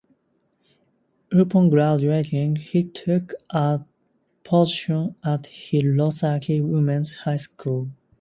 Upon graduating, he took a position at Hirosaki Women's High School.